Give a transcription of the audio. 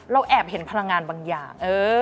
แอบเห็นพลังงานบางอย่าง